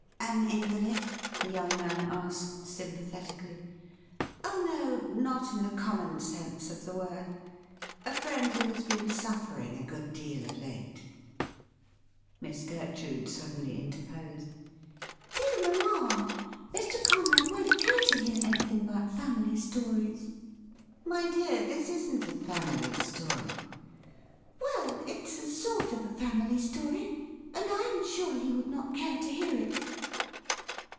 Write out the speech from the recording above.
' An invalid ?' the young man asked sympathetically. ' Oh no, not in the common sense of the word — a friend who has been suffering a good deal of late.' Miss Gertrude suddenly interposed. ' Dear mamma, Mr. Conrad won't care to hear anything about family stories.' ' My dear, this isn't a family story.' ' Well, it's a sort of a family story, and I am sure he would not care to hear it.'